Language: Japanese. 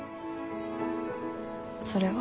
それは。